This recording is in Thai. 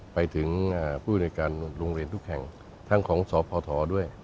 ไปถึงผู้ในการโรงเรียนทุกแห่งทั้งของสพด้วย